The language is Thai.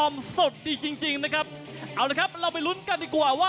มอเตอร์ปลาย